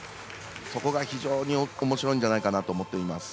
そこが非常におもしろいんじゃないかなと思っております。